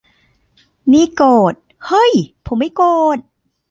นี่โกรธ - เฮ้ย ผมไม่โกรธ !